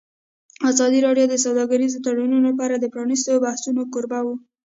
ازادي راډیو د سوداګریز تړونونه په اړه د پرانیستو بحثونو کوربه وه.